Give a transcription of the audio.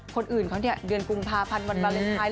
คนอื่นเขาเนี่ยเดือนกุมภาพันธ์วันวาเลนไทย